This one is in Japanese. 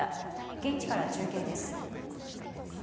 現地から中継です。